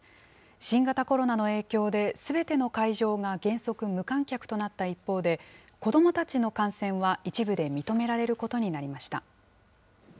新型コロナの影響で、すべての会場が原則無観客となった一方で、子どもたちの観戦は一部で認められることになりました。